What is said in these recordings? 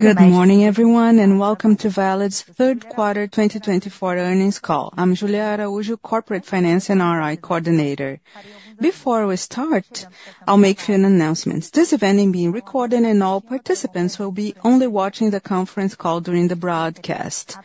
Good morning, everyone, and welcome to Valid's third quater 2024 earnings call. I'm Julia Araújo, Corporate Finance and RI Coordinator. Before we start, I'll make a few announcements. This event is being recorded, and all participants will be only watching the conference call during the broadcast.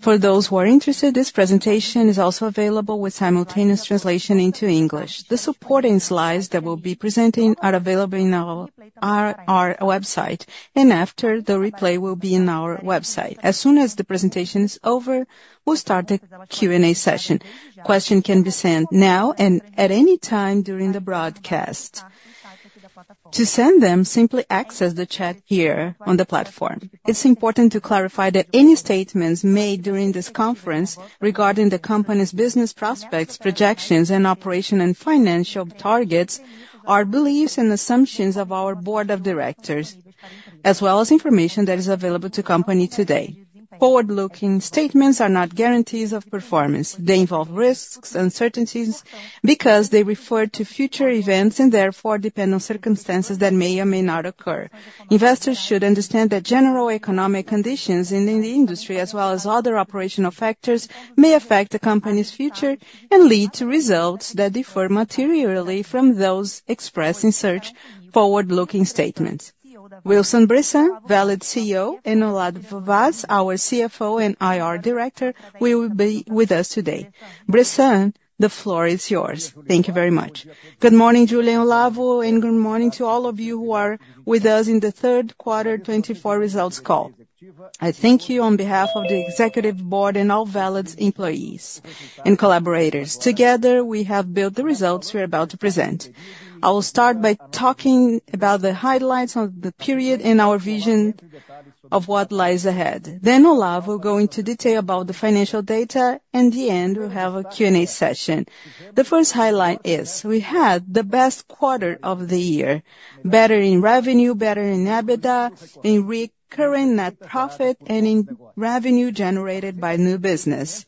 For those who are interested, this presentation is also available with simultaneous translation into English. The supporting slides that we'll be presenting are available on our website, and after the replay will be on our website. As soon as the presentation is over, we'll start the Q&A session. Questions can be sent now and at any time during the broadcast. To send them, simply access the chat here on the platform. It's important to clarify that any statements made during this conference regarding the company's business prospects, projections, and operational and financial targets are beliefs and assumptions of our board of directors, as well as information that is available to the company today. Forward-looking statements are not guarantees of performance. They involve risks and uncertainties because they refer to future events and therefore depend on circumstances that may or may not occur. Investors should understand that general economic conditions in the industry, as well as other operational factors, may affect the company's future and lead to results that differ materially from those expressed in such forward-looking statements. Ilson Bressan, Valid CEO, and Olavo Vaz, our CFO and IR Director, will be with us today. Bressan, the floor is yours. Thank you very much. Good morning, Julia and Olavo, and good morning to all of you who are with us in the third quarter 2024 results call. I thank you on behalf of the executive board and all Valid's employees and collaborators. Together, we have built the results we are about to present. I will start by talking about the highlights of the period and our vision of what lies ahead. Then Olavo will go into detail about the financial data, and at the end, we'll have a Q&A session. The first highlight is: we had the best quarter of the year, better in revenue, better in EBITDA, in recurring net profit, and in revenue generated by new business.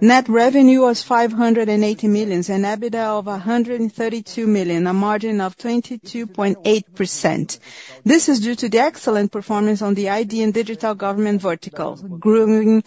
Net revenue was 580 million and EBITDA of 132 million, a margin of 22.8%. This is due to the excellent performance on the IT and Digital Government vertical, growing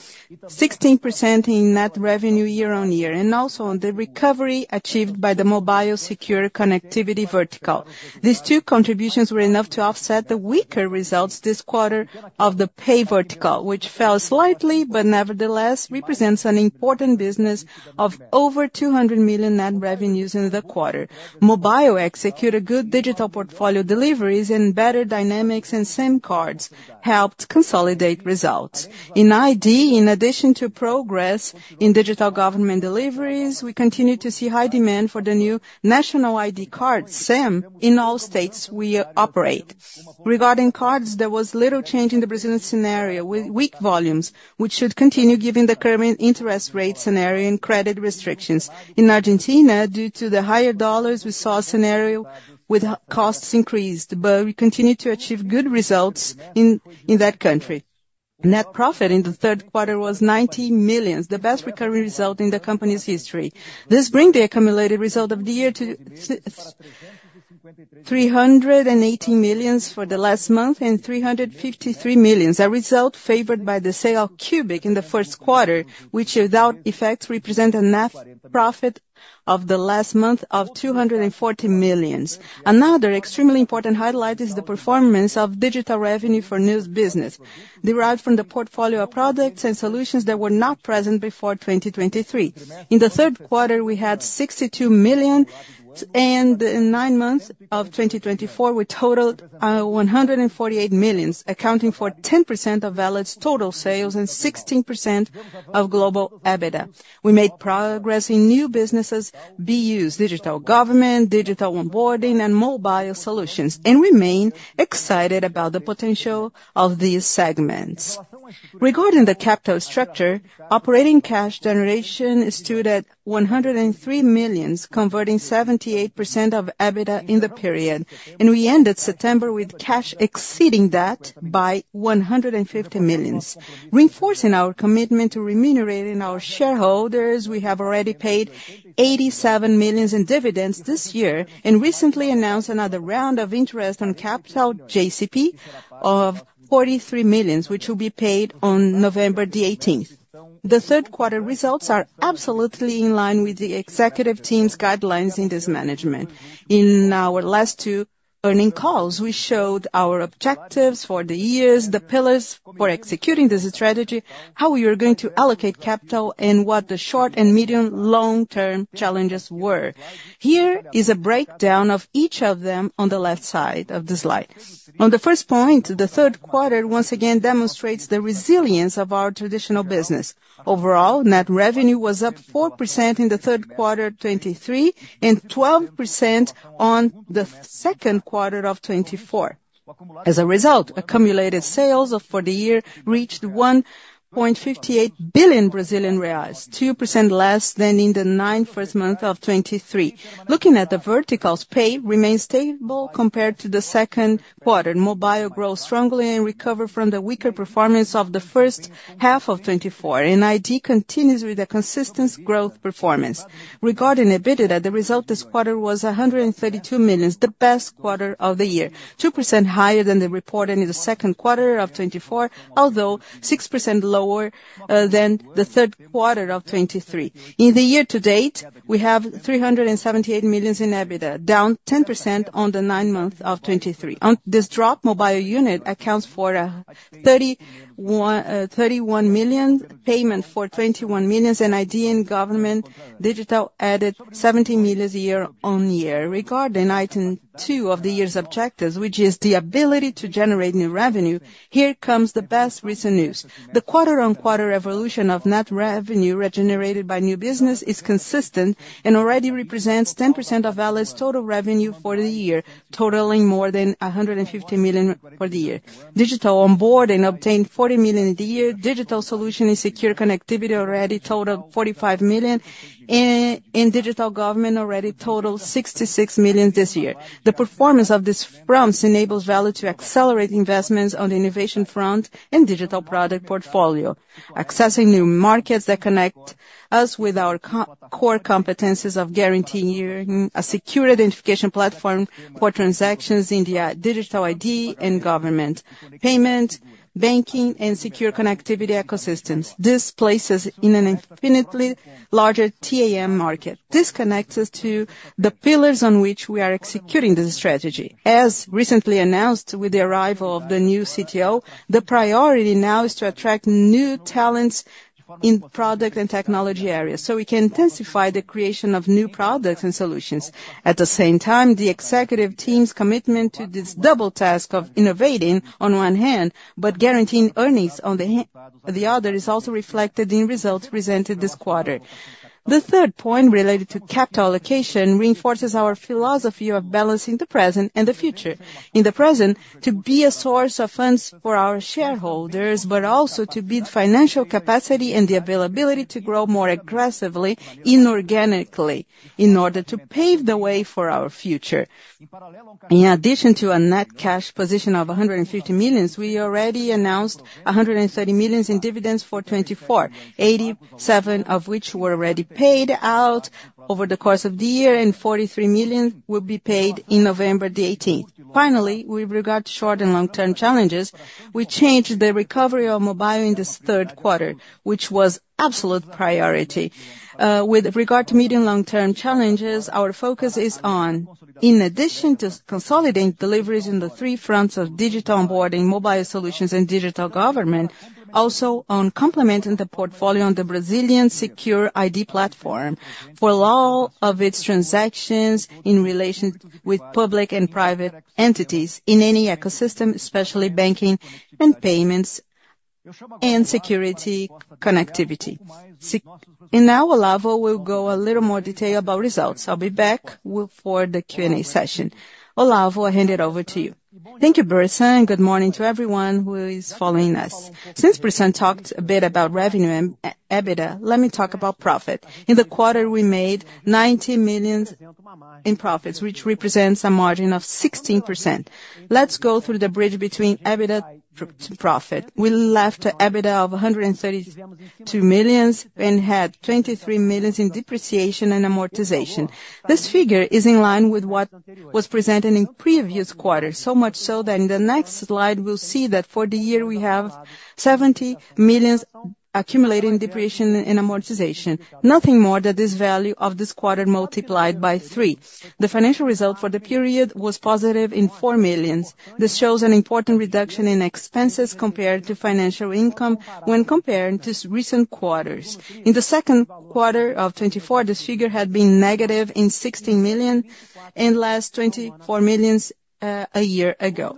16% in net revenue year-on-year, and also on the recovery achieved by the Mobile Secure Connectivity vertical. These two contributions were enough to offset the weaker results this quarter of the Pay vertical, which fell slightly, but nevertheless represents an important business of over 200 million net revenues in the quarter. Mobile executed good digital portfolio deliveries, and better dynamics and SIM cards helped consolidate results. In IT, in addition to progress in Digital Government deliveries, we continue to see high demand for the new national ID card, CIN, in all states we operate. Regarding cards, there was little change in the Brazilian scenario with weak volumes, which should continue given the current interest rate scenario and credit restrictions. In Argentina, due to the higher dollars, we saw a scenario with costs increased, but we continue to achieve good results in that country. Net profit in third quarter was 90 million, the best recurring result in the company's history. This brings the accumulated result of the year to 380 million for the last month and 353 million, a result favored by the sale of Cubic in first quarter, which, without effect, represents a net profit of the last month of 240 million. Another extremely important highlight is the performance of digital revenue for new business, derived from the portfolio of products and solutions that were not present before 2023. In third quarter, we had 62 million, and in nine months of 2024, we totaled 148 million, accounting for 10% of Valid's total sales and 16% of global EBITDA. We made progress in new businesses, BUs, Digital Government, Digital Onboarding, and Mobile Solutions, and remain excited about the potential of these segments. Regarding the capital structure, operating cash generation stood at 103 million, converting 78% of EBITDA in the period, and we ended September with cash exceeding that by 150 million, reinforcing our commitment to remunerating our shareholders. We have already paid 87 million in dividends this year and recently announced another round of interest on capital JCP of 43 million, which will be paid on November 18. The third quarter results are absolutely in line with the executive team's guidelines in this management. In our last two earnings calls, we showed our objectives for the years, the pillars for executing this strategy, how we were going to allocate capital, and what the short and medium-long-term challenges were. Here is a breakdown of each of them on the left side of the slide. On the first point, third quarter once again demonstrates the resilience of our traditional business. Overall, net revenue was up 4% in third quarter 2023 and 12% in second quarter of 2024. As a result, accumulated sales for the year reached 1.58 billion Brazilian reais, 2% less than in the ninth month of 2023. Looking at the verticals, pay remains stable compared to second quarter. Mobile grows strongly and recovers from the weaker performance of first quarter of 2024, and IT continues with a consistent growth performance. Regarding EBITDA, the result this quarter was 132 million BRL, the best quarter of the year, 2% higher than reported in second quarter of 2024, although 6% lower than third quarter of 2023. In the year-to-date, we have 378 million BRL in EBITDA, down 10% in 9M of 2023. On this drop, mobile unit accounts for 31 million payment for 21 million, and IT and government digital added 17 million year-on-year. Regarding item two of the year's objectives, which is the ability to generate new revenue, here comes the best recent news. The quarter-on-quarter evolution of net revenue generated by new business is consistent and already represents 10% of Valid's total revenue for the year, totaling more than 150 million for the year. Digital onboarding obtained 40 million a year, digital solutions and secure connectivity already totaled 45 million, and Digital Government already totaled 66 million this year. The performance of these firms enables Valid to accelerate investments on the innovation front and digital product portfolio, accessing new markets that connect us with our core competencies of guaranteeing a secure identification platform for transactions in the digital IT and government, payment, banking, and secure connectivity ecosystems. This places us in an infinitely larger TAM market. This connects us to the pillars on which we are executing this strategy. As recently announced with the arrival of the new CTO, the priority now is to attract new talents in product and technology areas so we can intensify the creation of new products and solutions. At the same time, the executive team's commitment to this double task of innovating, on one hand, but guaranteeing earnings on the other, is also reflected in results presented this quarter. The third point related to capital allocation reinforces our philosophy of balancing the present and the future. In the present, to be a source of funds for our shareholders, but also to build financial capacity and the availability to grow more aggressively inorganically in order to pave the way for our future. In addition to a net cash position of 150 million, we already announced 130 million in dividends for second quarter, 87 million of which were already paid out over the course of the year, and 43 million will be paid on November 18. Finally, with regard to short and long-term challenges, we changed the recovery of mobile in third quarter, which was an absolute priority. With regard to medium and long-term challenges, our focus is on, in addition to consolidating deliveries in the three fronts of digital onboarding, mobile solutions, and Digital Government, also on complementing the portfolio on the Brazilian secure ID platform for all of its transactions in relation with public and private entities in any ecosystem, especially banking and payments and security connectivity. And now, Olavo, we'll go into a little more detail about results. I'll be back for the Q&A session. Olavo, I hand it over to you. Thank you, Bressan, and good morning to everyone who is following us. Since Bressan talked a bit about revenue and EBITDA, let me talk about profit. In the quarter, we made 90 million in profits, which represents a margin of 16%. Let's go through the bridge between EBITDA to profit. We left an EBITDA of 132 million and had 23 million in depreciation and amortization. This figure is in line with what was presented in previous quarters, so much so that in the next slide, we'll see that for the year, we have 70 million accumulating depreciation and amortization, nothing more than this value of this quarter multiplied by three. The financial result for the period was positive in 4 million. This shows an important reduction in expenses compared to financial income when compared to recent quarters. In second quarter of 2024, this figure had been negative 16 million and less 24 million a year ago.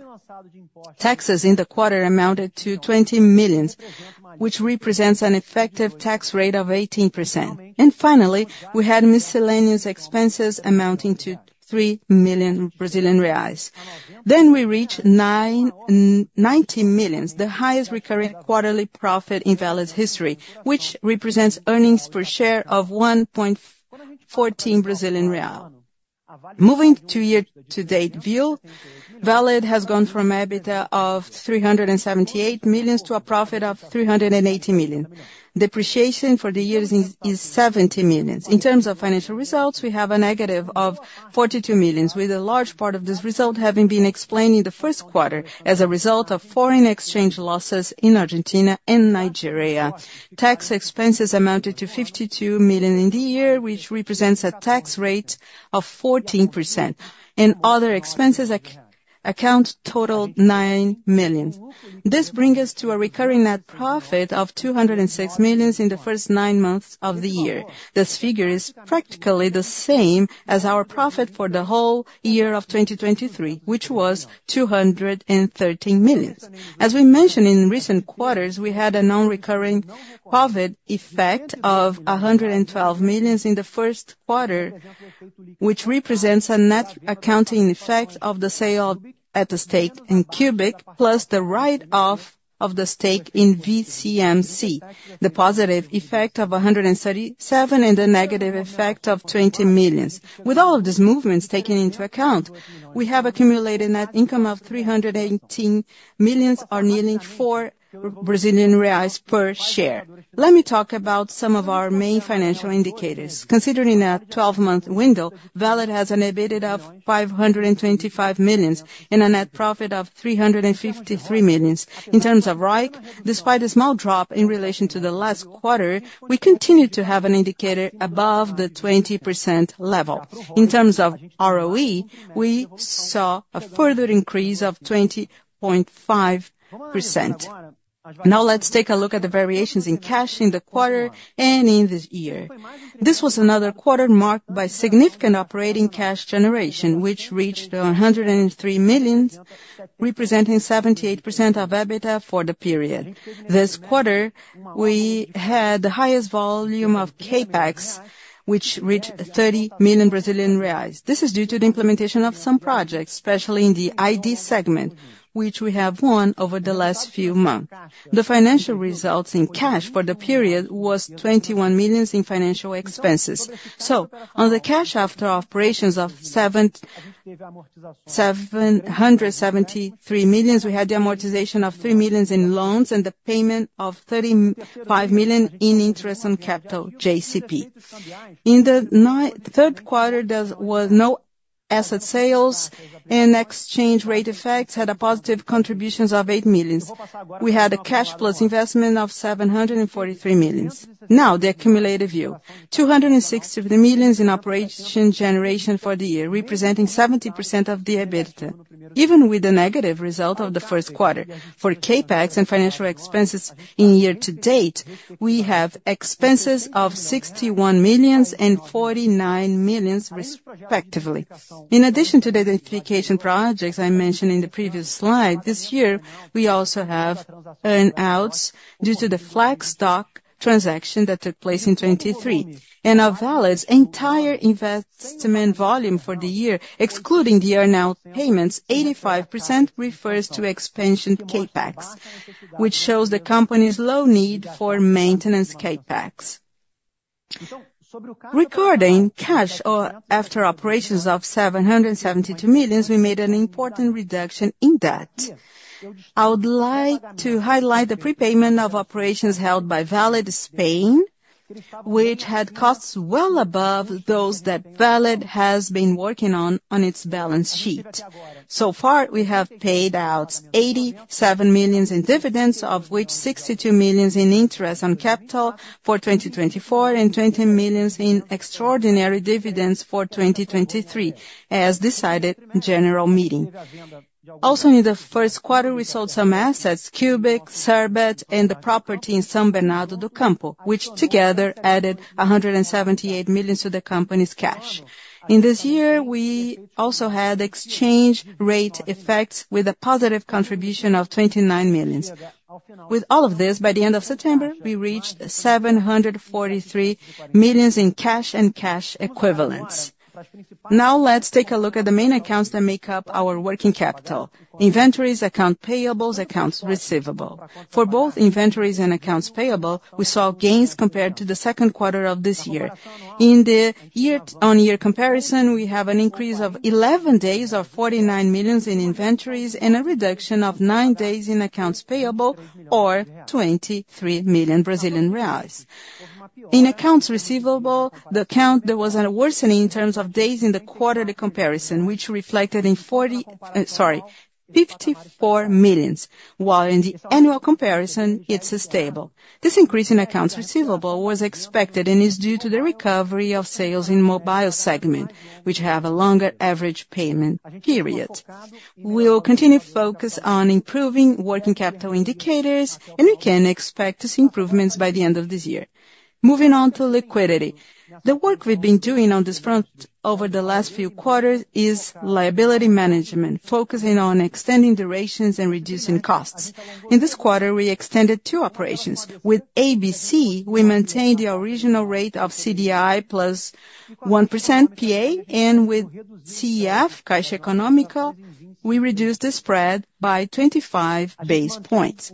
Taxes in the quarter amounted to 20 million, which represents an effective tax rate of 18%. And finally, we had miscellaneous expenses amounting to 3 million Brazilian reais. Then we reached 90 million, the highest recurring quarterly profit in Valid's history, which represents earnings per share of 1.14 Brazilian real. Moving to year-to-date view, Valid has gone from an EBITDA of 378 million to a profit of 380 million. Depreciation for the year is 70 million. In terms of financial results, we have a negative of 42 million, with a large part of this result having been explained in first quarter as a result of foreign exchange losses in Argentina and Nigeria. Tax expenses amounted to 52 million in the year, which represents a tax rate of 14%, and other expenses account totaled 9 million. This brings us to a recurring net profit of 206 million in the first nine months of the year. This figure is practically the same as our profit for the whole year of 2023, which was 213 million. As we mentioned in recent quarters, we had a non-recurring profit effect of 112 million in first quarter, which represents a net accounting effect of the sale of the stake in Cubic, plus the write-off of the stake in VCMC, the positive effect of 137 and the negative effect of 20 million. With all of these movements taken into account, we have accumulated net income of 318 million, or nearly four Brazilian reais per share. Let me talk about some of our main financial indicators. Considering a 12-month window, Valid has an EBITDA of 525 million and a net profit of 353 million. In terms of ROIC, despite a small drop in relation to second quarter, we continue to have an indicator above the 20% level. In terms of ROE, we saw a further increase of 20.5%. Now, let's take a look at the variations in cash in fourth quarter and in this year. This was another quarter marked by significant operating cash generation, which reached 103 million, representing 78% of EBITDA for the period. This quarter, we had the highest volume of CapEx, which reached 30 million Brazilian reais. This is due to the implementation of some projects, especially in the IT segment, which we have won over the last few months. The financial results in cash for the period were 21 million in financial expenses. On the cash after operations of 773 million, we had the amortization of 3 million in loans and the payment of 35 million in interest on capital JCP. In third quarter, there were no asset sales, and exchange rate effects had a positive contribution of 8 million. We had a cash plus investment of 743 million. Now, the accumulated view: 263 million in operation generation for the year, representing 70% of the EBITDA. Even with the negative result of first quarter, for CapEx and financial expenses in year-to-date, we have expenses of 61 million and 49 million, respectively. In addition to the identification projects I mentioned in the previous slide, this year we also have earn-outs due to the Flexdoc transaction that took place in second quarter. Of Valid's entire investment volume for the year, excluding the earn-out payments, 85% refers to expansion CapEx, which shows the company's low need for maintenance CapEx. Regarding cash after operations of 772 million, we made an important reduction in debt. I would like to highlight the prepayment of operations held by Valid Spain, which had costs well above those that Valid has been working on its balance sheet. So far, we have paid out 87 million in dividends, of which 62 million in interest on capital for 2024 and 20 million in extraordinary dividends for 2023, as decided in general meeting. Also, in first quarter, we sold some assets: Cubic, Serbet, and the property in São Bernardo do Campo, which together added 178 million to the company's cash. In this year, we also had exchange rate effects with a positive contribution of 29 million. With all of this, by the end of September, we reached 743 million in cash and cash equivalents. Now, let's take a look at the main accounts that make up our working capital: inventories, accounts payables, accounts receivable. For both inventories and accounts payable, we saw gains compared to second quarter of this year. In the year-on-year comparison, we have an increase of 11 days of 49 million in inventories and a reduction of 9 days in accounts payable, or 23 million Brazilian reais. In accounts receivable, the count was a worsening in terms of days in the quarterly comparison, which reflected in 54 million, while in the annual comparison, it's stable. This increase in accounts receivable was expected and is due to the recovery of sales in the mobile segment, which have a longer average payment period. We'll continue to focus on improving working capital indicators, and we can expect these improvements by the end of this year. Moving on to liquidity. The work we've been doing on this front over the last few quarters is liability management, focusing on extending durations and reducing costs. In this quarter, we extended two operations. With ABC, we maintained the original rate of CDI plus 1% PA, and with CEF, Caixa Econômica, we reduced the spread by 25 basis points.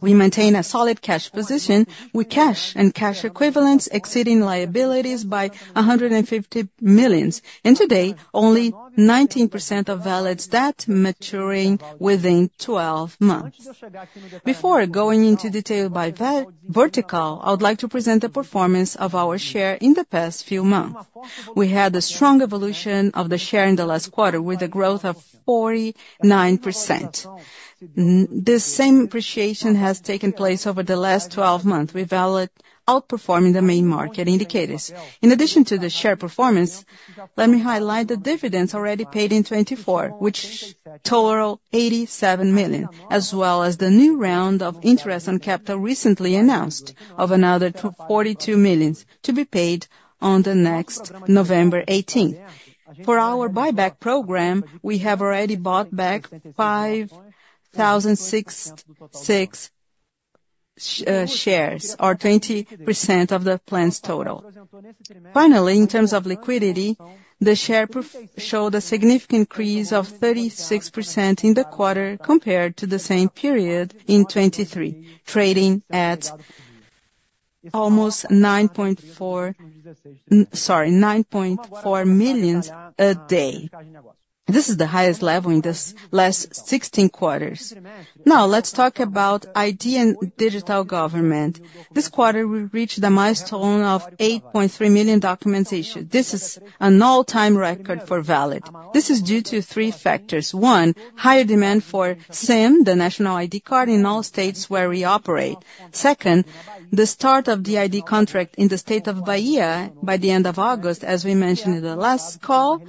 We maintain a solid cash position, with cash and cash equivalents exceeding liabilities by 150 million, and today, only 19% of Valid's debt maturing within 12 months. Before going into detail by vertical, I would like to present the performance of our share in the past few months. We had a strong evolution of the share in second quarter, with a growth of 49%. This same appreciation has taken place over the last 12 months, with Valid outperforming the main market indicators. In addition to the share performance, let me highlight the dividends already paid in second quarter, which totaled 87 million, as well as the new round of interest on capital recently announced, of another 42 million to be paid on the next November 18. For our buyback program, we have already bought back 5,066 shares, or 20% of the planned total. Finally, in terms of liquidity, the share showed a significant increase of 36% in fourth quarter compared to the same period in second quarter, trading at almost 9.4 million a day. This is the highest level in the last 16 quarters. Now, let's talk about ID and Digital Government. This quarter, we reached a milestone of 8.3 million documentation. This is an all-time record for Valid. This is due to three factors: one, higher demand for SIM, the national ID card in all states where we operate. Second, the start of the ID contract in the state of Bahia by the end of August, as we mentioned in the last call,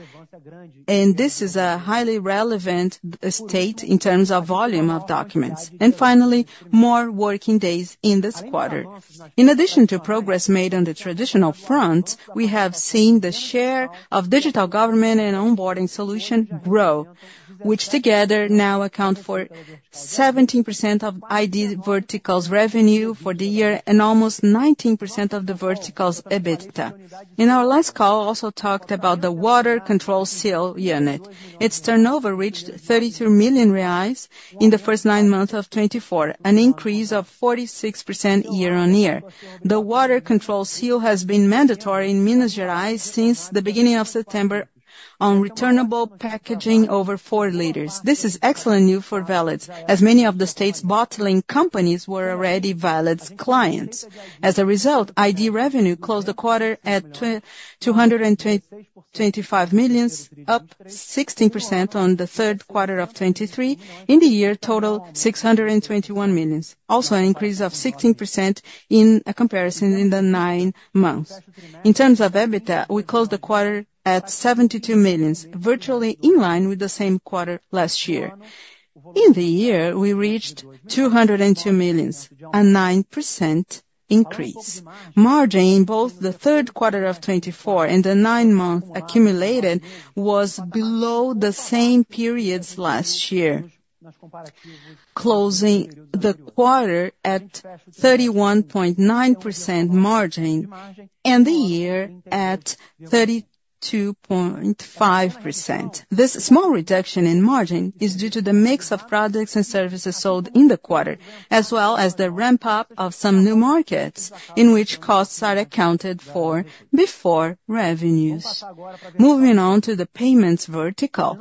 and this is a highly relevant state in terms of volume of documents. And finally, more working days in fourth quarter. In addition to progress made on the traditional front, we have seen the share of Digital Government and onboarding solutions grow, which together now account for 17% of ID vertical's revenue for the year and almost 19% of the vertical's EBITDA. In our last call, I also talked about the Water Control Seal unit. Its turnover reached 33 million reais in the first nine months of second quarter, an increase of 46% year-on-year. The Water Control Seal has been mandatory in Minas Gerais since the beginning of September on returnable packaging over 4 liters. This is excellent news for Valid, as many of the state's bottling companies were already Valid's clients. As a result, ID revenue closed the quarter at 225 million, up 16% on third quarter of 2023, in the year-total 621 million. Also, an increase of 16% in comparison in the nine months. In terms of EBITDA, we closed the quarter at 72 million, virtually in line with the same quarter last year. In the year, we reached 202 million, a 9% increase. Margin in both third quarter of 2024 and the nine months accumulated was below the same periods last year, closing the quarter at 31.9% margin and the year at 32.5%. This small reduction in margin is due to the mix of products and services sold in fourth quarter, as well as the ramp-up of some new markets, in which costs are accounted for before revenues. Moving on to the payments vertical,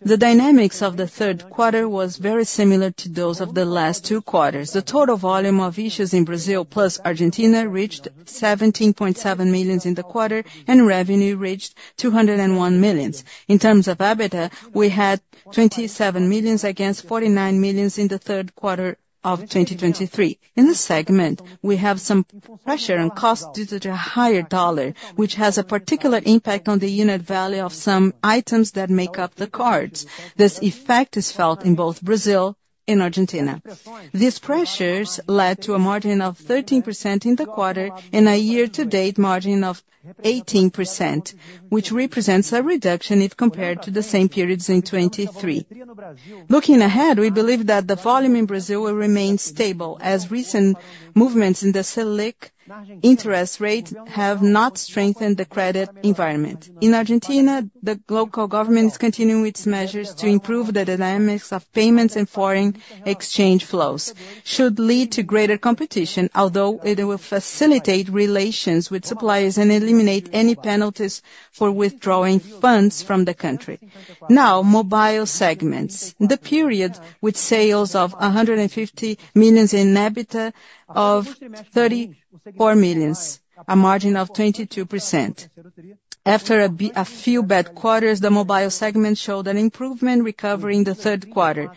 the dynamics of third quarter was very similar to those of the last two quarters. The total volume of issues in Brazil plus Argentina reached 17.7 million in fourth quarter, and revenue reached 201 million. In terms of EBITDA, we had 27 million against 49 million in third quarter of 2023. In this segment, we have some pressure on costs due to the higher dollar, which has a particular impact on the unit value of some items that make up the cards. This effect is felt in both Brazil and Argentina. These pressures led to a margin of 13% in fourth quarter and a year-to-date margin of 18%, which represents a reduction if compared to the same periods in third quarter. Looking ahead, we believe that the volume in Brazil will remain stable, as recent movements in the Selic interest rate have not strengthened the credit environment. In Argentina, the local government is continuing its measures to improve the dynamics of payments and foreign exchange flows, which should lead to greater competition, although it will facilitate relations with suppliers and eliminate any penalties for withdrawing funds from the country. Now, mobile segments. In the period, with sales of 150 million in EBITDA of 34 million, a margin of 22%. After a few bad quarters, the mobile segment showed an improvement, recovering third quarter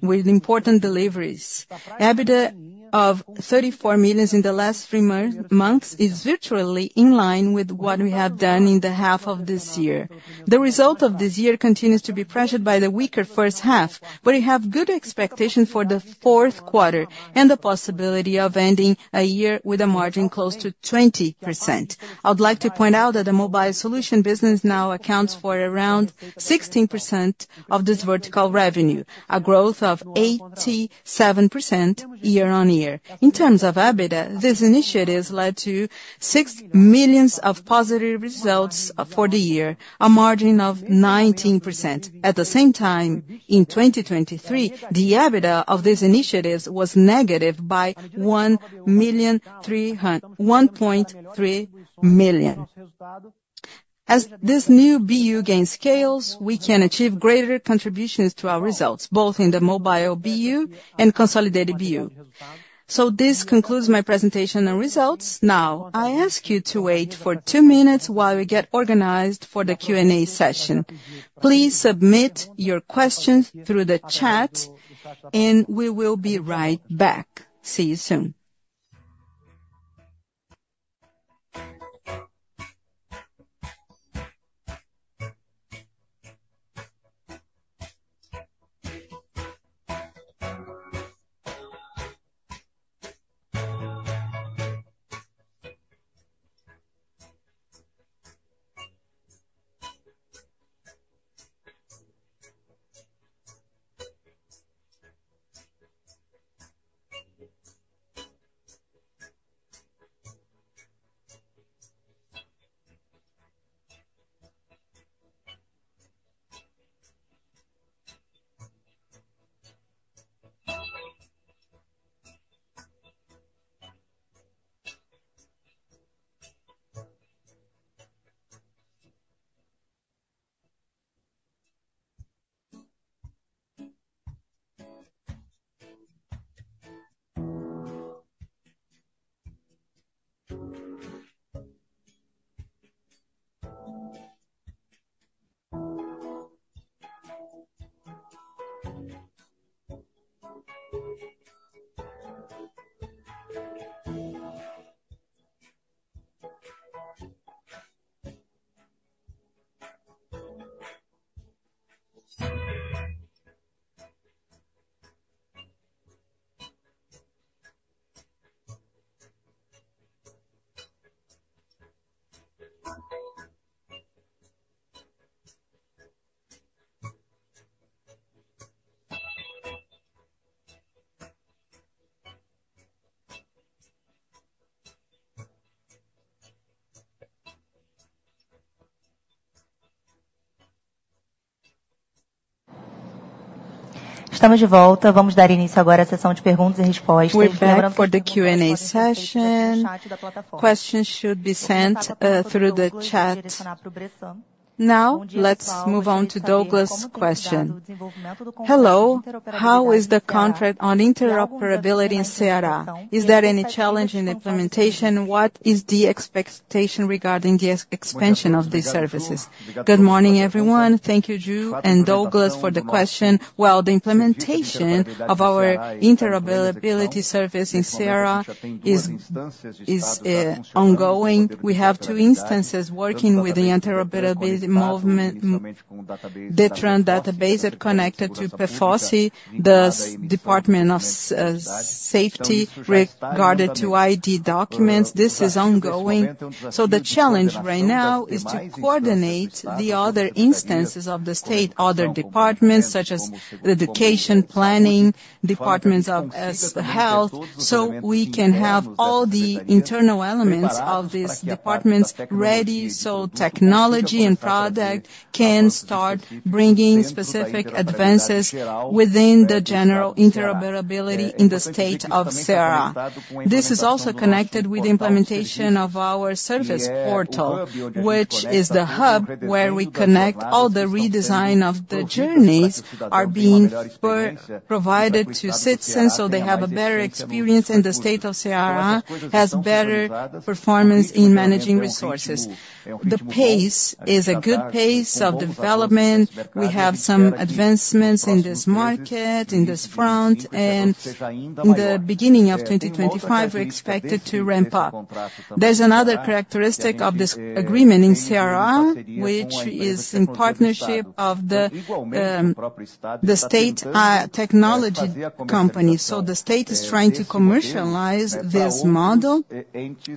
with important deliveries. EBITDA of 34 million in the last three months is virtually in line with what we have done in half of this year. The result of this year continues to be pressured by the weaker first half, but we have good expectations for fourth quarter and the possibility of ending a year with a margin close to 20%. I would like to point out that the mobile solution business now accounts for around 16% of this vertical revenue, a growth of 87% year-on-year. In terms of EBITDA, this initiative led to 6 million of positive results for the year, a margin of 19%. At the same time, in 2023, the EBITDA of this initiative was negative by 1.3 million. As this new BU gain scales, we can achieve greater contributions to our results, both in the mobile BU and consolidated BU. So, this concludes my presentation on results. Now, I ask you to wait for two minutes while we get organized for the Q&A session. Please submit your questions through the chat, and we will be right back. See you soon. We're here for the Q&A session. Questions should be sent through the chat. Now, let's move on to Douglas' question. Hello, how is the contract on interoperability in Ceará? Is there any challenge in the implementation? What is the expectation regarding the expansion of these services? Good morning, everyone. Thank you, Ju and Douglas, for the question. Well, the implementation of our interoperability service in Ceará is ongoing. We have two instances working with the interoperability movement, the different database connected to PEFOCE, the Department of Safety, regarding ID documents. This is ongoing. So, the challenge right now is to coordinate the other instances of the state, other departments, such as the Education, Planning, Department of Health, so we can have all the internal elements of these departments ready, so technology and product can start bringing specific advances within the general interoperability in the state of Ceará. This is also connected with the implementation of our service portal, which is the hub where we connect all the redesign of the journeys that are being provided to citizens, so they have a better experience in the state of Ceará, have better performance in managing resources. The pace is a good pace of development. We have some advancements in this market, in this front, and in the beginning of 2025, we're expected to ramp up. There's another characteristic of this agreement in Ceará, which is in partnership with the state technology company. The state is trying to commercialize this model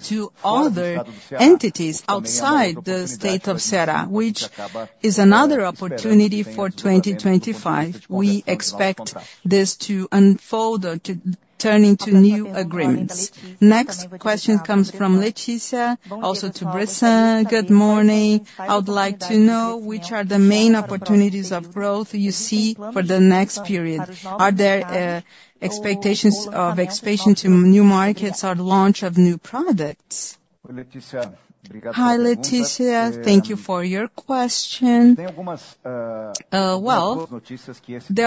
to other entities outside the state of Ceará, which is another opportunity for 2025. We expect this to unfold or to turn into new agreements. Next question comes from Letícia, also to Bressan. Good morning. I would like to know which are the main opportunities of growth you see for the next period. Are there expectations of expansion to new markets or launch of new products? Hi, Letícia. Thank you for your question. There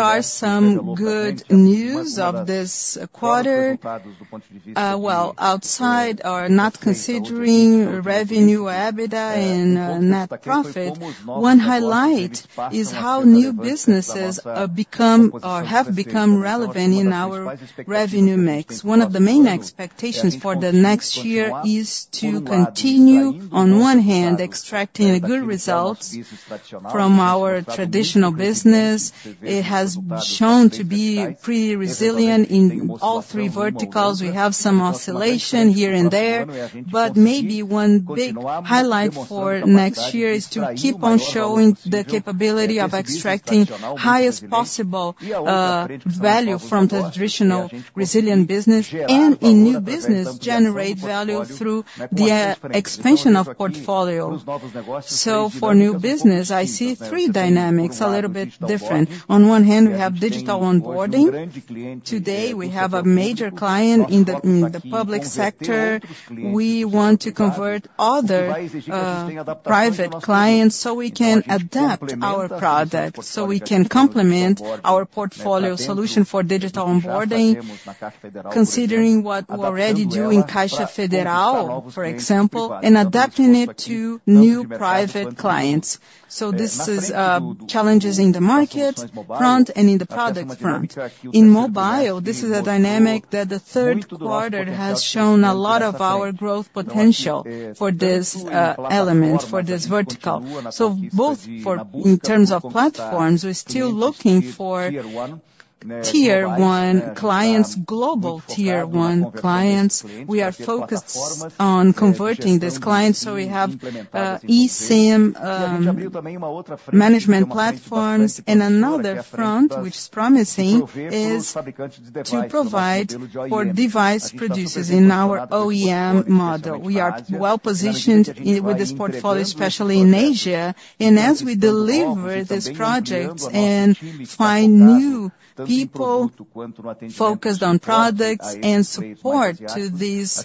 are some good news of this quarter. Outside of revenue, EBITDA, and net profit. One highlight is how new businesses have become relevant in our revenue mix. One of the main expectations for the next year is to continue, on one hand, extracting good results from our traditional business. It has shown to be pretty resilient in all three verticals. We have some oscillation here and there, but maybe one big highlight for next year is to keep on showing the capability of extracting the highest possible value from the traditional resilient business, and in new business generate value through the expansion of portfolio. So, for new business, I see three dynamics a little bit different. On one hand, we have digital onboarding. Today, we have a major client in the public sector. We want to convert other private clients so we can adapt our product, so we can complement our portfolio solution for digital onboarding, considering what we already do in Caixa Econômica Federal, for example, and adapting it to new private clients. So, this is a challenge in the market front and in the product front. In mobile, this is a dynamic that the third quarter has shown a lot of our growth potential for this element, for this vertical, so both in terms of platforms, we're still looking for tier one clients, global tier one clients. We are focused on converting these clients, so we have eSIM management platforms. And another front, which is promising, is to provide for device producers in our OEM model. We are well positioned with this portfolio, especially in Asia, and as we deliver these projects and find new people focused on products and support to these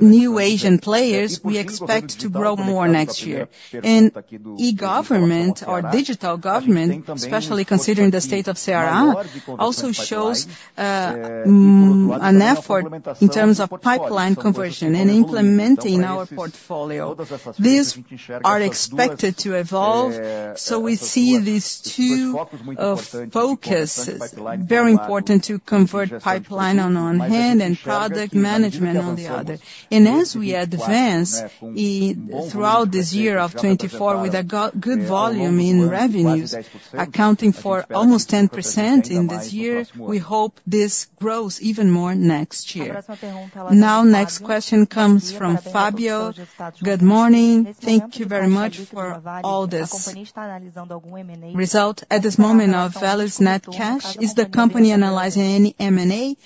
new Asian players, we expect to grow more next year. And e-government or Digital Government, especially considering the state of Ceará, also shows an effort in terms of pipeline conversion and implementing our portfolio. These are expected to evolve, so we see these two focuses very important to convert pipeline on one hand and product management on the other. And as we advance throughout this year of 2024 with a good volume in revenues, accounting for almost 10% in this year, we hope this grows even more next year. Now, the next question comes from Fabio. Good morning. Thank you very much for all this result. At this moment of Valid's net cash, is the company analyzing any M&A?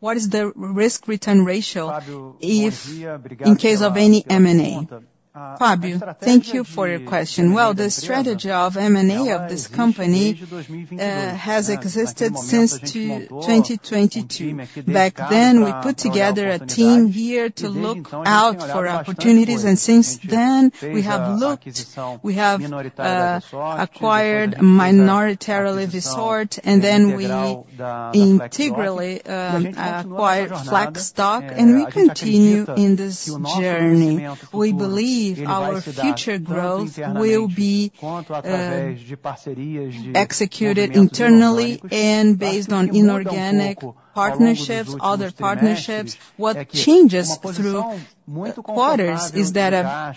What is the risk-return ratio in case of any M&A? Fabio, thank you for your question. Well, the strategy of M&A of this company has existed since 2022. Back then, we put together a team here to look out for opportunities, and since then, we have looked, we have acquired a minority stake, and then we entirely acquired Flexdoc, and we continue in this journey. We believe our future growth will be executed internally and based on inorganic partnerships, other partnerships. What changes through quarters is that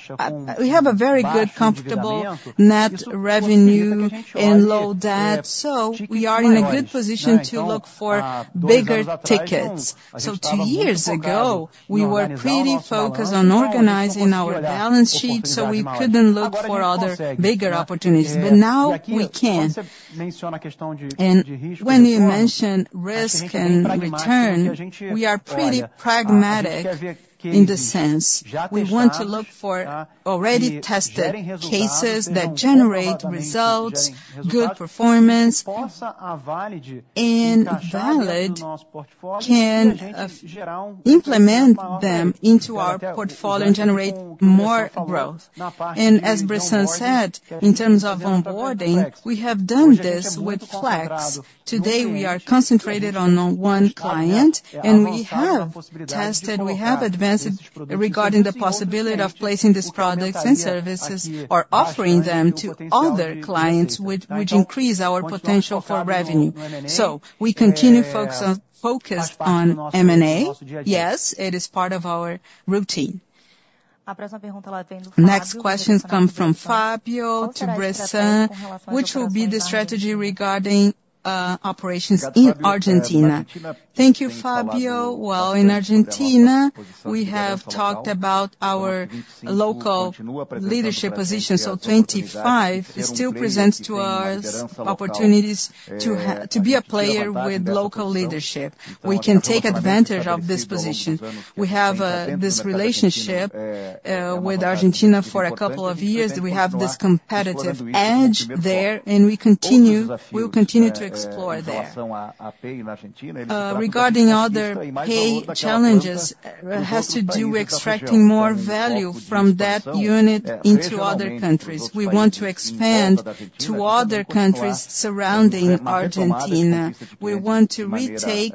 we have a very good, comfortable net revenue and low debt, so we are in a good position to look for bigger tickets. So, two years ago, we were pretty focused on organizing our balance sheet, so we couldn't look for other bigger opportunities, but now we can. And when you mention risk and return, we are pretty pragmatic in the sense. We want to look for already tested cases that generate results, good performance, and Valid can implement them into our portfolio and generate more growth. And as Bressan said, in terms of onboarding, we have done this with Flex. Today, we are concentrated on one client, and we have tested, we have advanced regarding the possibility of placing these products and services or offering them to other clients, which would increase our potential for revenue. So, we continue focused on M&A. Yes, it is part of our routine. Next questions come from Fabio to Bressan. Which will be the strategy regarding operations in Argentina? Thank you, Fabio. Well, in Argentina, we have talked about our local leadership position. So, 25 still presents to us opportunities to be a player with local leadership. We can take advantage of this position. We have this relationship with Argentina for a couple of years. We have this competitive edge there, and we will continue to explore there. Regarding other pay challenges, it has to do with extracting more value from that unit into other countries. We want to expand to other countries surrounding Argentina. We want to retake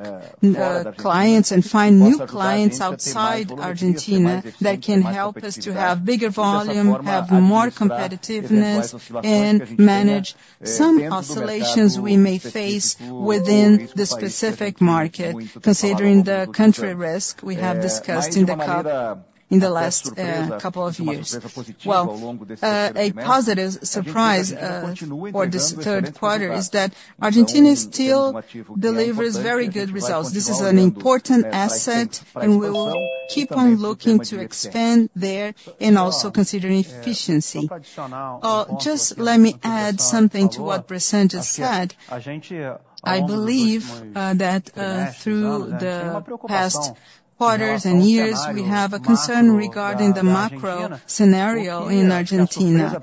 clients and find new clients outside Argentina that can help us to have bigger volume, have more competitiveness, and manage some oscillations we may face within the specific market, considering the country risk we have discussed in the last couple of years. A positive surprise for this third quarter is that Argentina still delivers very good results. This is an important asset, and we will keep on looking to expand there and also consider efficiency. Just let me add something to what Bressan just said. I believe that through the past quarters and years, we have a concern regarding the macro scenario in Argentina,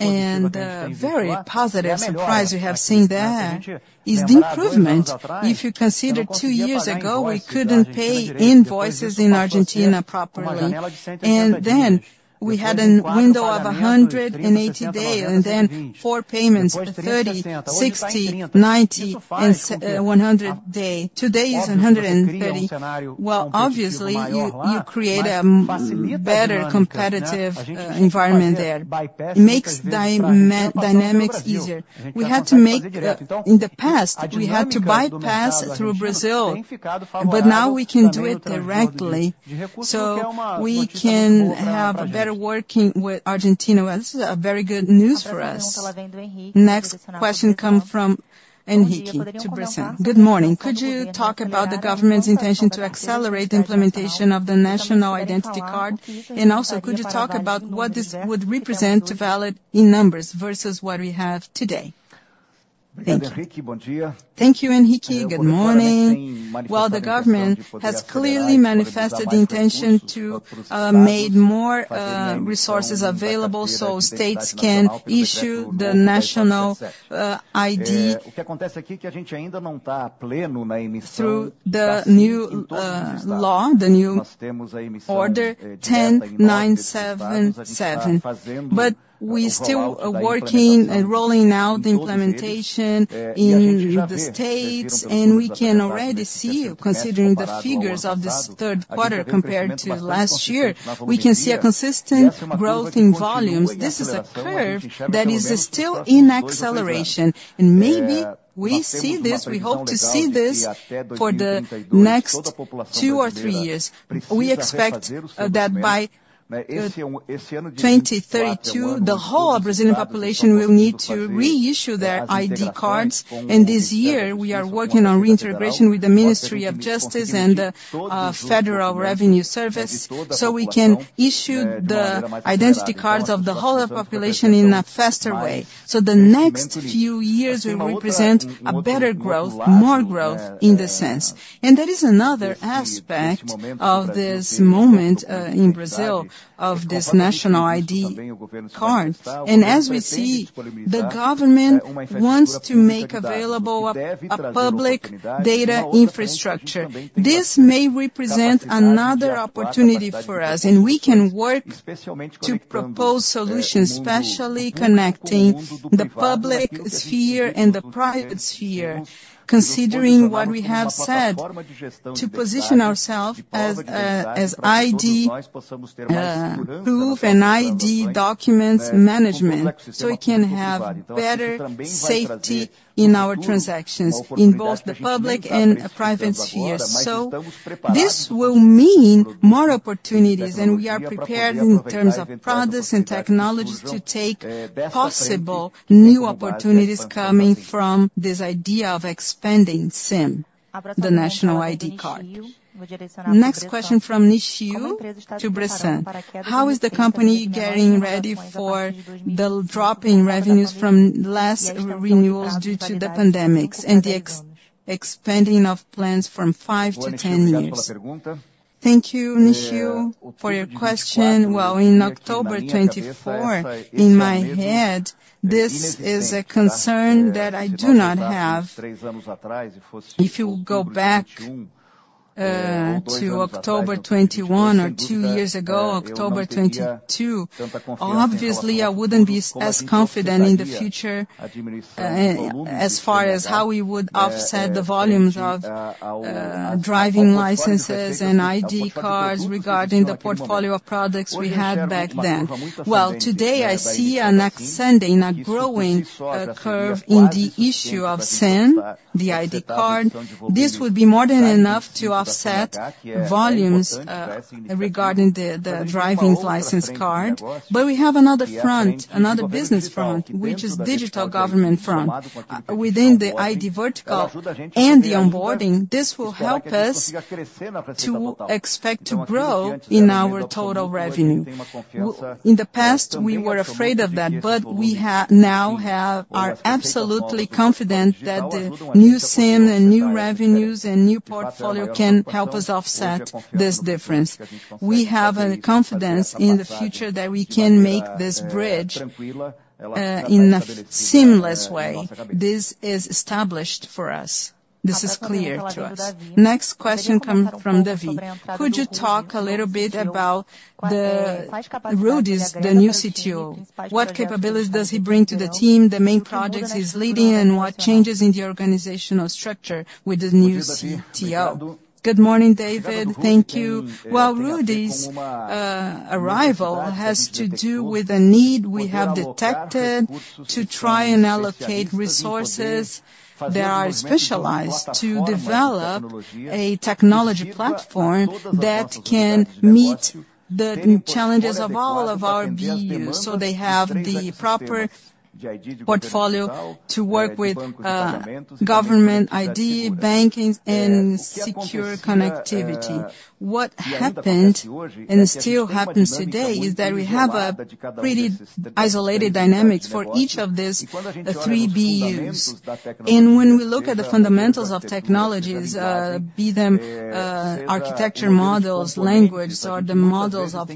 and a very positive surprise we have seen there is the improvement. If you consider two years ago, we couldn't pay invoices in Argentina properly. Then we had a window of 180 days, and then four payments: 30, 60, 90, and 100 days. Today is 130. Obviously, you create a better competitive environment there. It makes dynamics easier. We had to make, in the past, we had to bypass through Brazil, but now we can do it directly. We can have better working with Argentina. This is very good news for us. Next question comes from Enrique to Bressan. Good morning. Could you talk about the government's intention to accelerate the implementation of the national identity card? Also, could you talk about what this would represent to Valid in numbers versus what we have today? Thank you. Thank you, Enrique. Good morning. The government has clearly manifested the intention to make more resources available so states can issue the national ID through the new law, the new order 10977, but we're still working and rolling out the implementation in the states, and we can already see, considering the figures of this third quarter compared to last year, we can see a consistent growth in volumes. This is a curve that is still in acceleration, and maybe we see this. We hope to see this for the next two or three years. We expect that by 2032, the whole Brazilian population will need to reissue their ID cards, and this year, we are working on integration with the Ministry of Justice and the Federal Revenue Service so we can issue the identity cards of the whole population in a faster way. The next few years, we will present a better growth, more growth in the sense. There is another aspect of this moment in Brazil of this national ID card. As we see, the government wants to make available a public data infrastructure. This may represent another opportunity for us, and we can work to propose solutions, especially connecting the public sphere and the private sphere, considering what we have said, to position ourselves as ID-proof and ID documents management so we can have better safety in our transactions in both the public and private spheres. This will mean more opportunities, and we are prepared in terms of products and technologies to take possible new opportunities coming from this idea of expanding SIM, the national ID card. Next question from Nishio to Bressan. How is the company getting ready for the drop in revenues from less renewals due to the pandemic and the extension of plans from 5 to 10 years? Thank you, Nishio, for your question. In October 2024, in my head, this is a concern that I do not have. If you go back to October 2021 or two years ago, October 2022, obviously, I wouldn't be as confident in the future as far as how we would offset the volumes of driving licenses and ID cards regarding the portfolio of products we had back then. Today, I see on next Sunday a growing curve in the issue of CIN, the ID card. This would be more than enough to offset volumes regarding the driving license card. But we have another front, another business front, which is the Digital Government front within the ID vertical and the onboarding. This will help us to expect to grow in our total revenue. In the past, we were afraid of that, but we now are absolutely confident that the new SIM and new revenues and new portfolio can help us offset this difference. We have a confidence in the future that we can make this bridge in a seamless way. This is established for us. This is clear to us. Next question comes from David. Could you talk a little bit about the Rudis, the new CTO? What capabilities does he bring to the team, the main projects he's leading, and what changes in the organizational structure with the new CTO? Good morning, David. Thank you. Rudis's arrival has to do with a need we have detected to try and allocate resources that are specialized to develop a technology platform that can meet the challenges of all of our BUs so they have the proper portfolio to work with government ID, banking, and secure connectivity. What happened and still happens today is that we have a pretty isolated dynamic for each of these three BUs, and when we look at the fundamentals of technologies, be them architecture models, language, or the models of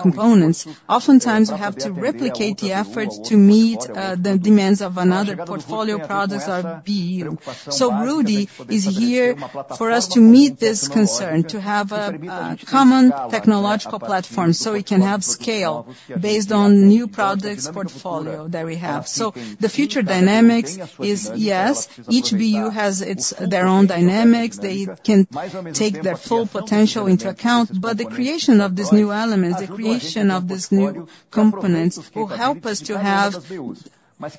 components, oftentimes we have to replicate the efforts to meet the demands of another portfolio products or BU, so Rudis is here for us to meet this concern, to have a common technological platform so we can have scale based on new products' portfolio that we have, so the future dynamics is, yes, each BU has their own dynamics. They can take their full potential into account, but the creation of these new elements, the creation of these new components will help us to use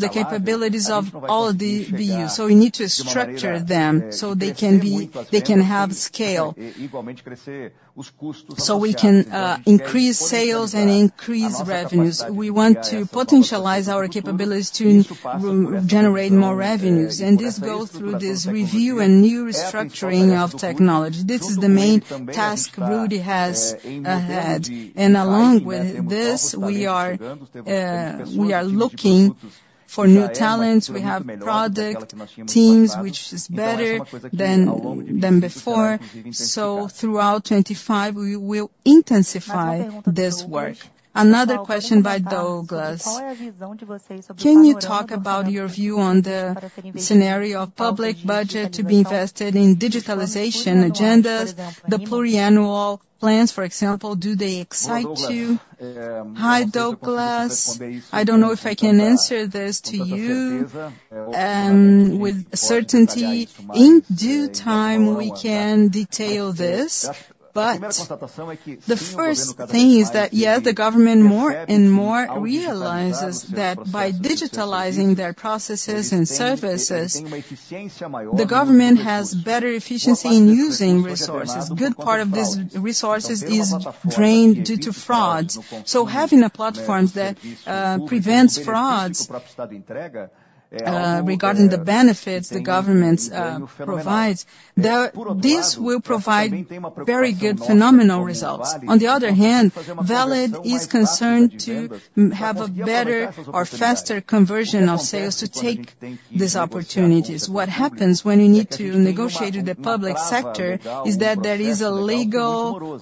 the capabilities of all the BUs. So we need to structure them so they can have scale so we can increase sales and increase revenues. We want to potentialize our capabilities to generate more revenues. And this goes through this review and new restructuring of technology. This is the main task Rudis has had. And along with this, we are looking for new talents. We have product teams which are better than before. So throughout 2025, we will intensify this work. Another question by Douglas. Can you talk about your view on the scenario of public budget to be invested in digitalization agendas? The pluriannual plans, for example, do they excite you? Hi, Douglas. I don't know if I can answer this to you with certainty. In due time, we can detail this. But the first thing is that, yes, the government more and more realizes that by digitalizing their processes and services, the government has better efficiency in using resources. A good part of these resources is drained due to frauds. So having a platform that prevents frauds regarding the benefits the government provides, this will provide very good phenomenal results. On the other hand, Valid is concerned to have a better or faster conversion of sales to take these opportunities. What happens when you need to negotiate with the public sector is that there is a legal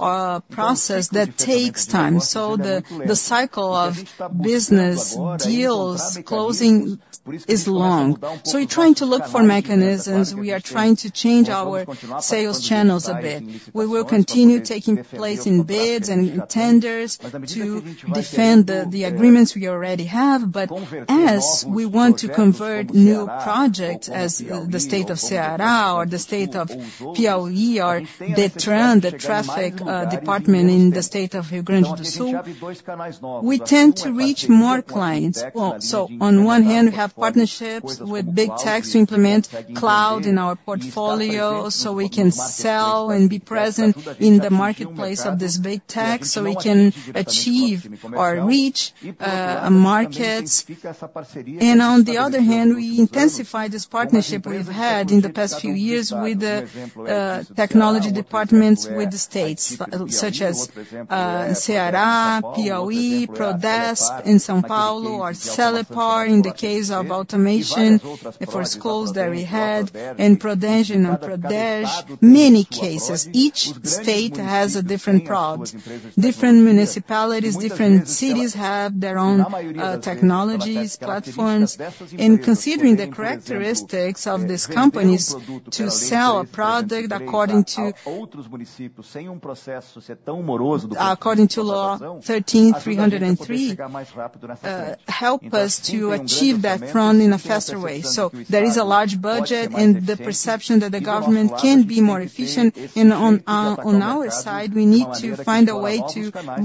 process that takes time. So the cycle of business deals closing is long. So we're trying to look for mechanisms. We are trying to change our sales channels a bit. We will continue taking part in bids and tenders to defend the agreements we already have. But as we want to convert new projects as the state of Ceará or the state of Piauí or DETRAN, the traffic department in the state of Rio Grande do Sul, we tend to reach more clients. So on one hand, we have partnerships with big techs to implement cloud in our portfolio so we can sell and be present in the marketplace of this big tech so we can achieve or reach markets. And on the other hand, we intensify this partnership we've had in the past few years with the technology departments with the states, such as Ceará, Piauí, Prodesp in São Paulo, or Celepar in the case of automation for schools that we had, and projects in Prodesp, many cases. Each state has a different product. Different municipalities, different cities have their own technologies, platforms. Considering the characteristics of these companies to sell a product according to Law 13,303 helps us to achieve that front in a faster way. There is a large budget and the perception that the government can be more efficient. On our side, we need to find a way to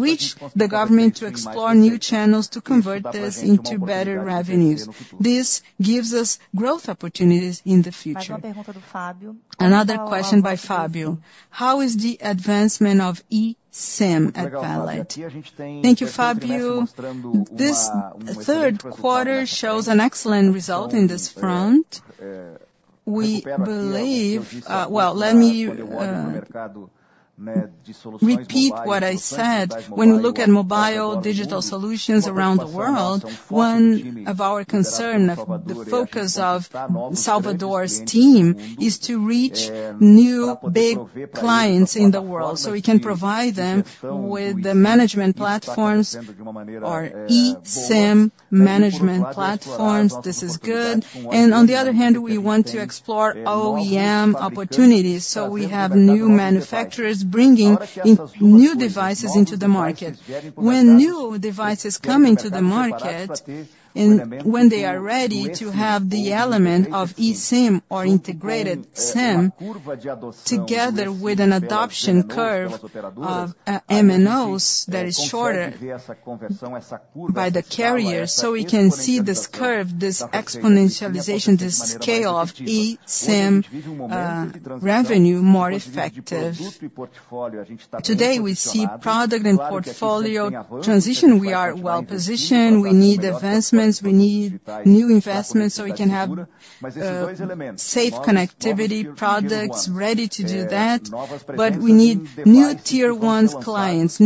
reach the government to explore new channels to convert this into better revenues. This gives us growth opportunities in the future. Another question by Fabio. How is the advancement of eSIM at Valid? Thank you, Fabio. This third quarter shows an excellent result in this front. We believe. Well, let me repeat what I said. When we look at mobile digital solutions around the world, one of our concerns, the focus of Salvador's team, is to reach new big clients in the world so we can provide them with the management platforms or eSIM management platforms. This is good, and on the other hand, we want to explore OEM opportunities, so we have new manufacturers bringing new devices into the market. When new devices come into the market and when they are ready to have the element of eSIM or integrated SIM together with an adoption curve of MNOs that is shorter by the carrier, so we can see this curve, this exponentialization, this scale of eSIM revenue more effective. Today, we see product and portfolio transition. We are well-positioned. We need advancements. We need new investments so we can have safe connectivity products ready to do that. But we need new tier one clients,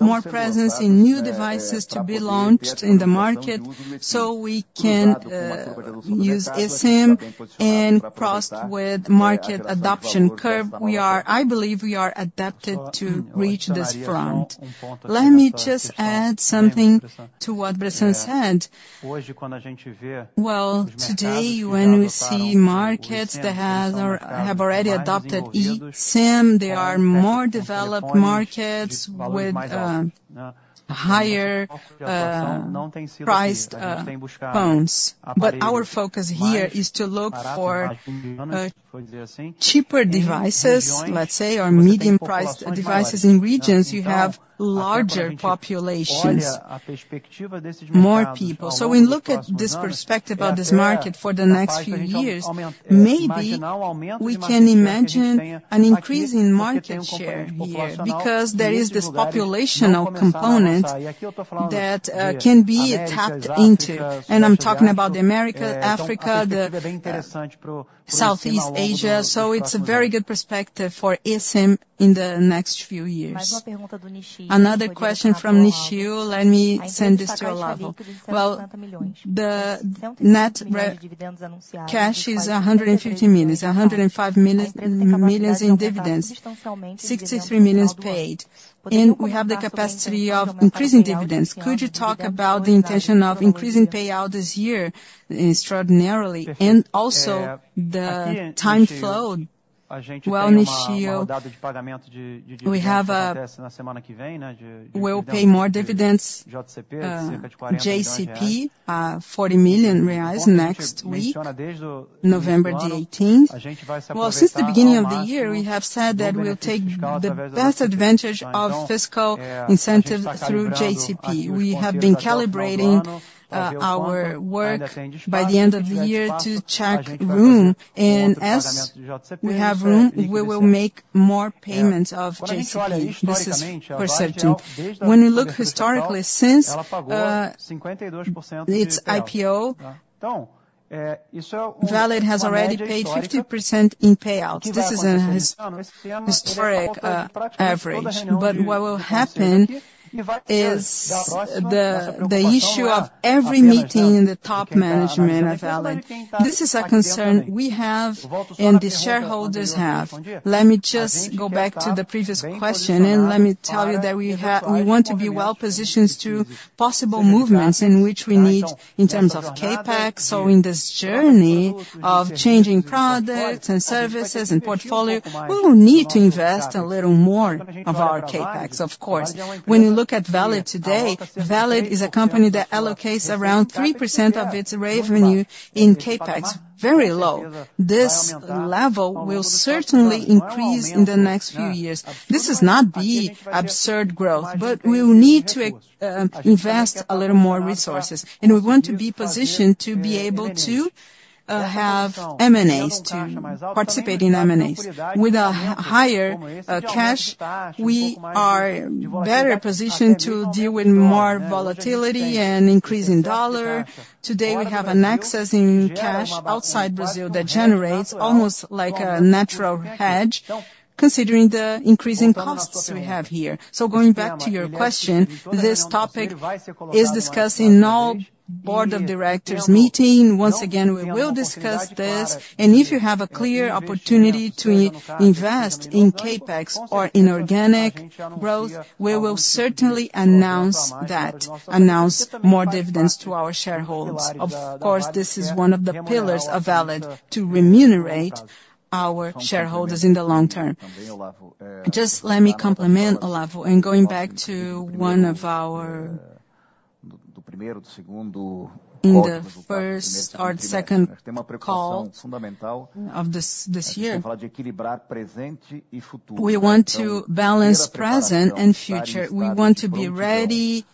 more presence in new devices to be launched in the market so we can use eSIM and cross with market adoption curve. I believe we are adapted to reach this front. Let me just add something to what Ilson Bressan said. Well, today, when we see markets that have already adopted eSIM, they are more developed markets with higher-priced phones. But our focus here is to look for cheaper devices, let's say, or medium-priced devices in regions you have larger populations, more people. So when we look at this perspective of this market for the next few years, maybe we can imagine an increase in market share here because there is this population component that can be tapped into. And I'm talking about the Americas, Africa, Southeast Asia. So it's a very good perspective for eSIM in the next few years. Another question from Nishio. Let me send this to Olavo. The net cash is 150 million. It's 105 million in dividends, 63 million paid. And we have the capacity of increasing dividends. Could you talk about the intention of increasing payout this year extraordinarily? And also the time flow. Nishio, we will pay more dividends, JCP, 40 million reais next week, November the 18th. Since the beginning of the year, we have said that we'll take the best advantage of fiscal incentives through JCP. We have been calibrating our work by the end of the year to check room. And as we have room, we will make more payments of JCP. This is for certain. When we look historically, since its IPO, Valid has already paid 50% in payouts. This is a historic average. But what will happen is the issue of every meeting in the top management of Valid. This is a concern we have and the shareholders have. Let me just go back to the previous question, and let me tell you that we want to be well-positioned to possible movements in which we need in terms of CapEx. So in this journey of changing products and services and portfolio, we will need to invest a little more of our CapEx, of course. When we look at Valid today, Valid is a company that allocates around 3% of its revenue in CapEx. Very low. This level will certainly increase in the next few years. This is not absurd growth, but we will need to invest a little more resources. And we want to be positioned to be able to have M&As, to participate in M&As. With a higher cash, we are better positioned to deal with more volatility and increasing dollar. Today, we have an excess in cash outside Brazil that generates almost like a natural hedge, considering the increasing costs we have here. So going back to your question, this topic is discussed in all board of directors meetings. Once again, we will discuss this. And if you have a clear opportunity to invest in CapEx or in organic growth, we will certainly announce that, announce more dividends to our shareholders. Of course, this is one of the pillars of Valid to remunerate our shareholders in the long term. Just let me compliment Olavo. And going back to one of our in the first or second call of this year, we want to balance present and future. We want to be ready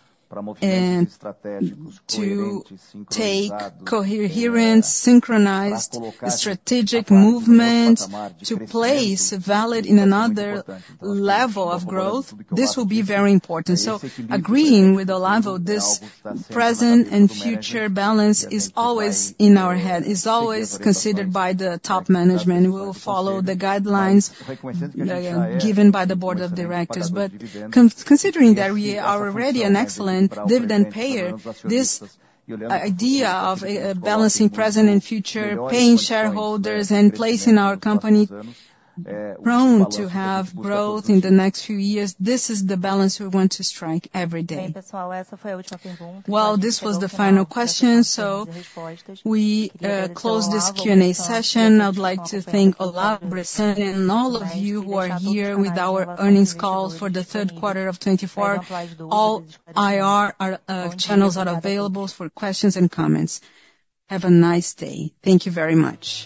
and strategic to take coherent, synchronized strategic movements to place Valid in another level of growth. This will be very important. So agreeing with Olavo, this present and future balance is always in our head, is always considered by the top management. We will follow the guidelines given by the board of directors. But considering that we are already an excellent dividend payer, this idea of balancing present and future, paying shareholders and placing our company prone to have growth in the next few years, this is the balance we want to strike every day. Well, this was the final question. So we close this Q&A session. I would like to thank Olavo, Ilson, and all of you who are here with our earnings call for the third quarter of 2024. All IR channels are available for questions and comments. Have a nice day. Thank you very much.